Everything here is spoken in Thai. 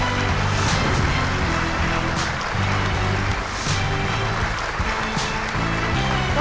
สวัสดีครับ